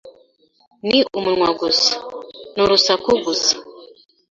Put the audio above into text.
ni umunwa gusa, n’urusaku gusa,